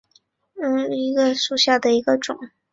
寡妇榧螺为榧螺科榧螺属下的一个种。